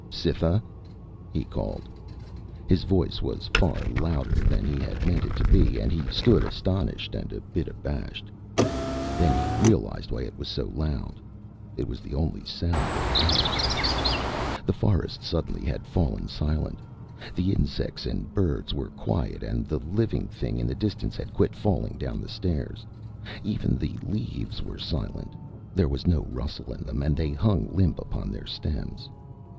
"Cytha!" he called. His voice was far louder than he had meant it to be and he stood astonished and a bit abashed. Then he realized why it was so loud. It was the only sound there was! The forest suddenly had fallen silent. The insects and birds were quiet and the thing in the distance had quit falling down the stairs. Even the leaves were silent. There was no rustle in them and they hung limp upon their stems.